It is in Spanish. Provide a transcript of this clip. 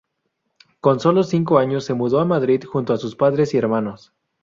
Con solo cinco años se mudó a Madrid junto a sus padres y hermanos.